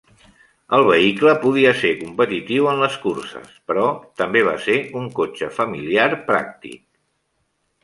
El vehicle podia ser competitiu en les curses, però també va ser un cotxe familiar pràctic.